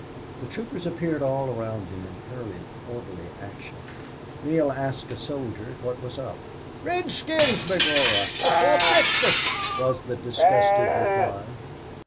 The troopers appeared all around him in hurried orderly action. Neale asked a soldier what was up. "Redskins, b'gorra before brikfast!" was the disgusted reply.